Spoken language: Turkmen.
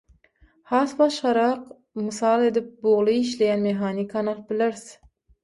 Has başgarak mysal edip bugly işleýän mehanikany alyp bileris.